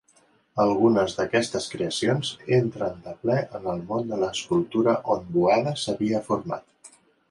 Algunes d'aquestes creacions entren de ple en el món de l'escultura on Boada s'havia format.